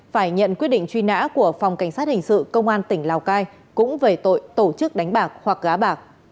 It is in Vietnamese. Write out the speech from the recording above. phải nhận quyết định truy nã của phòng cảnh sát hình sự công an tỉnh lào cai cũng về tội tổ chức đánh bạc hoặc gá bạc